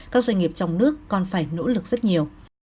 các doanh nghiệp trong nước còn phải nỗ lực rất nhiều